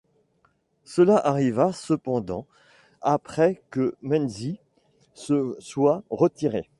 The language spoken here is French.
Cela arriva cependant après que Menzies se soit retiré.